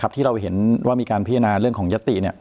ที่เราเห็นว่ามีการพิจารณาเรื่องของยติ